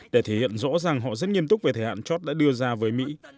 để thể hiện rõ ràng họ rất nghiêm túc về thể hạn chót đã đưa ra với mỹ